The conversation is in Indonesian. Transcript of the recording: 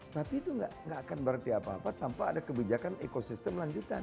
tapi itu nggak akan berarti apa apa tanpa ada kebijakan ekosistem lanjutan